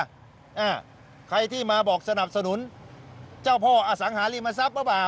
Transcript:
อ่าใครที่มาบอกสนับสนุนเจ้าพ่ออสังหาริมทรัพย์หรือเปล่า